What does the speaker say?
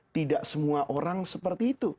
tidak semua orang seperti itu